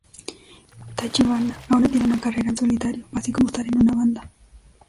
Tachibana, ahora tiene una carrera en solitario, así como estar en una banda.